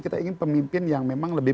kita ingin pemimpin yang memang lebih